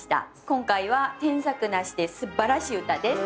今回は添削無しですばらしい歌です。